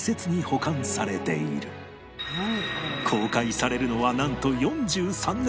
公開されるのはなんと４３年ぶり